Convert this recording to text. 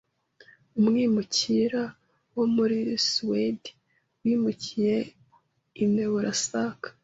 umwimukira wo muri Suwede wimukiye i Neburasaka